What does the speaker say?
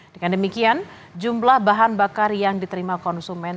dengan demikian jumlah bahan bakar yang diterima konsumen